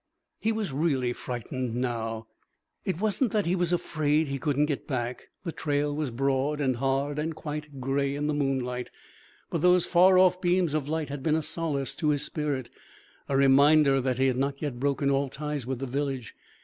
He was really frightened now. It wasn't that he was afraid he couldn't get back. The trail was broad and hard and quite gray in the moonlight. But those far off beams of light had been a solace to his spirit, a reminder that he had not yet broken all ties with the village.